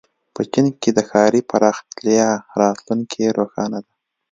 په چین کې د ښاري پراختیا راتلونکې روښانه ده.